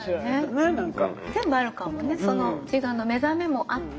全部あるかもねその自我の目覚めもあって。